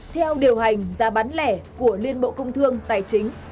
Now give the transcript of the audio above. theo điều hành giá bán lẻ của liên bộ công thương tài chính